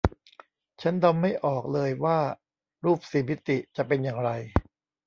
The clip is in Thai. ฉันเดาไม่ออกเลยว่ารูปสี่มิติจะเป็นอย่างไร